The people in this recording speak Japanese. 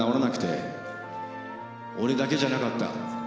俺だけじゃなかった。